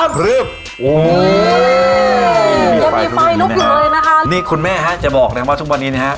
ยังมีไฟลุกอยู่เลยนะคะนี่คุณแม่ฮะจะบอกเลยว่าทุกวันนี้นะฮะ